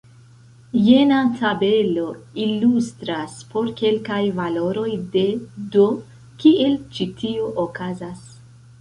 Jena tabelo ilustras, por kelkaj valoroj de "d", kiel ĉi tio okazas.